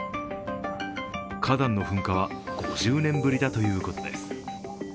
火山の噴火は５０年ぶりだということです。